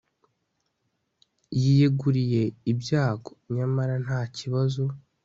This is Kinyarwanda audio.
yiyeguriye ibyago, nyamara ntakibazo